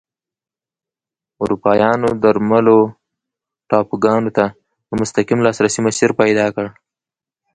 اروپایانو درملو ټاپوګانو ته د مستقیم لاسرسي مسیر پیدا کړ.